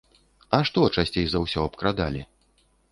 А што часцей за ўсё абкрадалі?